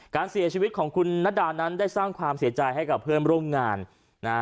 การเสียชีวิตของคุณนัดดานั้นได้สร้างความเสียใจให้กับเพื่อนร่วมงานนะฮะ